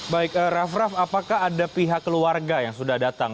baik raff raff apakah ada pihak keluarga yang sudah datang